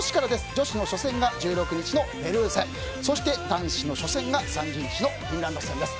女子の初戦が１６日のペルー戦そして男子の初戦が３０日のフィンランド戦です。